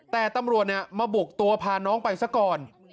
แต่ตำรวจมาบุกตัวพาน้องไปซะก่อน